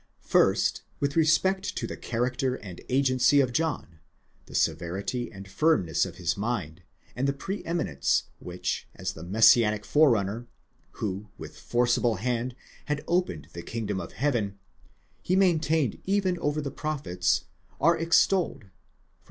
First, with respect to the character and agency of John,—the severity and firmness of his mind, and the pre eminence which as the messianic forerunner, who with forcible hand had opened the kingdom of heaven, he maintained even over the prophets, are extolled (v.